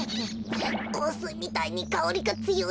こうすいみたいにかおりがつよい。